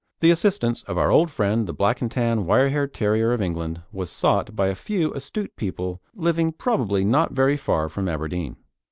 the assistance of our old friend the Black and Tan wire haired terrier of England was sought by a few astute people living probably not very far from Aberdeen.